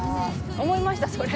「思いましたそれ」